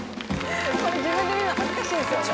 これ自分で見るの恥ずかしいですよね。